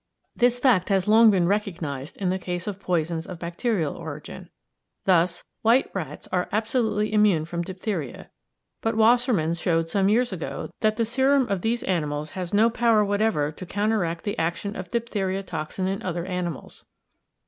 This fact has long been recognised in the case of poisons of bacterial origin. Thus, white rats are absolutely immune from diphtheria, but Wassermann showed some years ago that the serum of these animals has no power whatever to counteract the action of diphtheria toxin in other animals.